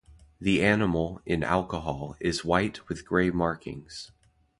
The animal (in alcohol) is white with grey markings.